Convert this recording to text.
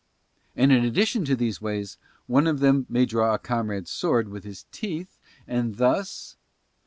And in addition to these ways, one of them may draw a comrade's sword with his teeth and thus